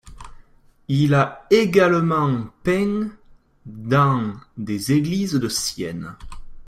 Il a également peint dans des églises de Sienne.